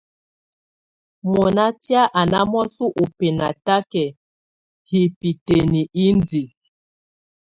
Mɔ́ná tɛ̀á ná mɔsɔ ú bɛ́natakɛ hibǝ́tǝ́ni indiǝ.